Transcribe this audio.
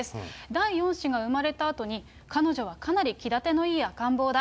第４子が生まれたあとに、彼女はかなり気立てのいい赤ん坊だ。